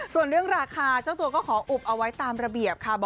ส่วนเรื่องราคาเจ้าตัวก็ขออุบเอาไว้ตามระเบียบค่ะ